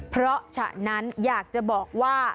เพราะฉะนั้นอยากจะบอกว่า